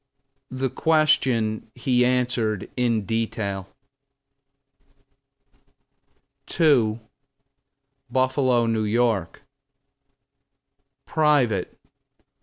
The question he answered in detail. To , Buffalo, N. Y. Private.